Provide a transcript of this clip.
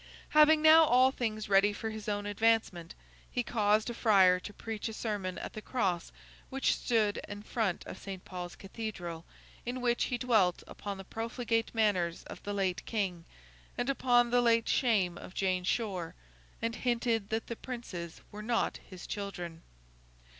Having now all things ready for his own advancement, he caused a friar to preach a sermon at the cross which stood in front of St. Paul's Cathedral, in which he dwelt upon the profligate manners of the late King, and upon the late shame of Jane Shore, and hinted that the princes were not his children.